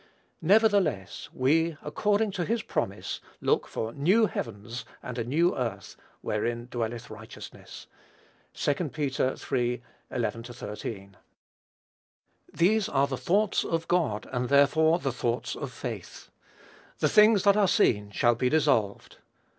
Nevertheless we, according to his promise, look for new heavens and a new earth, wherein dwelleth righteousness." (2 Pet. iii. 11 13.) These are the thoughts of God, and therefore the thoughts of faith. The things that are seen shall be dissolved.